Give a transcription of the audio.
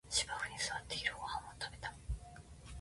芝生に座って昼ごはんを食べた